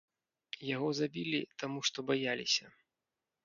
Яго забілі, таму што баяліся.